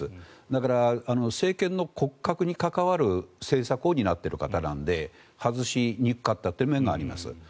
だから、政権の骨格に関わる政策を担っている方なので外しにくかったという面があります。